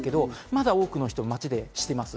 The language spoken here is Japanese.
まだ多くの人が街でしています。